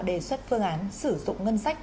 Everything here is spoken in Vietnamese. đề xuất phương án sử dụng ngân sách